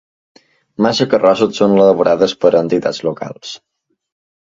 Moltes carrosses són elaborades per entitats locals.